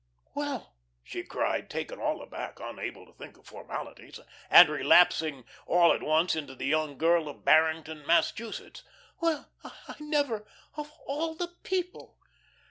"Well," she cried, taken all aback, unable to think of formalities, and relapsing all at once into the young girl of Barrington, Massachusetts, "well, I never of all the people."